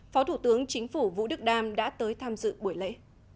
phó thủ tướng chính phủ vũ đức đam đã tới tham dự buổi lễ